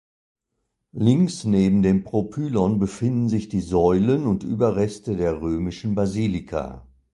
Links neben dem Propylon befinden sich die Säulen und Überreste der römischen Basilika.